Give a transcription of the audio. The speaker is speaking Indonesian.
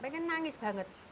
pengen nangis banget